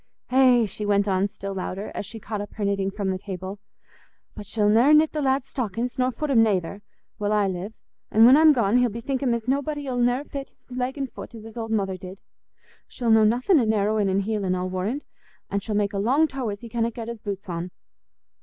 Eh!" she went on, still louder, as she caught up her knitting from the table, "but she'll ne'er knit the lad's stockin's, nor foot 'em nayther, while I live; an' when I'm gone, he'll bethink him as nobody 'ull ne'er fit's leg an' foot as his old mother did. She'll know nothin' o' narrowin' an' heelin', I warrand, an' she'll make a long toe as he canna get's boot on.